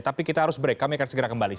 tapi kita harus break kami akan segera kembali